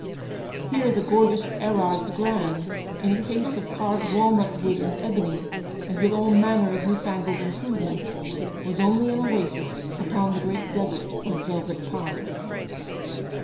Here the gorgeous Erard's grand, in a case of carved walnut wood and ebony, and with all manner of newfangled improvements, was only an oasis upon the great desert of velvet piles.